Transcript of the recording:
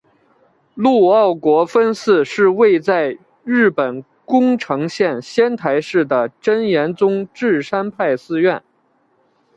陆奥国分寺是位在日本宫城县仙台市的真言宗智山派寺院。